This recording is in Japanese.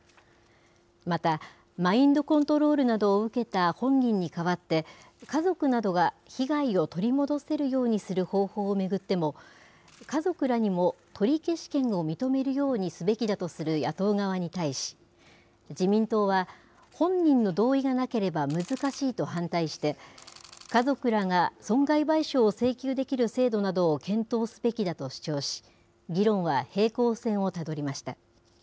また、マインドコントロールなどを受けた本人に代わって、家族などが被害を取り戻せるようにする方法を巡っても、家族らにも取消権を認めるようにすべきだという野党側に対し、自民党は、本人の同意がなければ難しいと反対して、家族らが損害賠償を請求できる制度などを検討すべきだと主張し、議論は平行線をたどりました。